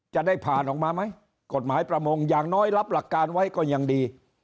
จะได้ผ่านออกมาไหมกฎหมายประมงอย่างน้อยรับหลักการไว้ก็ยังดี